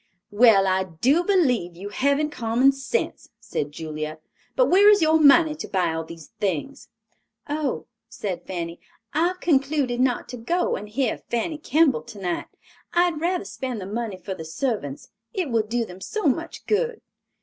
"Well, I do believe you haven't common sense," said Julia, "but where is your money to buy all these things?" "Oh," said Fanny, "I've concluded not to go and hear Fanny Kemble tonight. I'd rather spend the money for the servants; it will do them so much good."